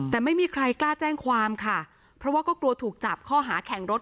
แต่ไม่มีใครกล้าแจ้งความค่ะเพราะว่าก็กลัวถูกจับข้อหาแข่งรถ